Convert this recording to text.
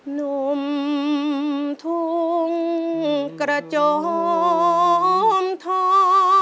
หนุ่มทุ่งกระจ่อมทอง